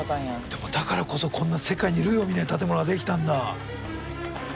でもだからこそこんな世界に類を見ない建物ができたんだ。